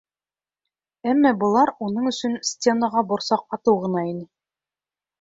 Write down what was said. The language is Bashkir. Әммә былар уның өсөн стенаға борсаҡ атыу ғына ине.